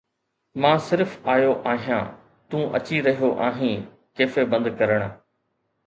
مان صرف آيو آهيان، تون اچي رهيو آهين ڪيفي بند ڪرڻ.